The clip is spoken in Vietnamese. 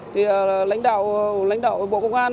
thì lãnh đạo bộ công an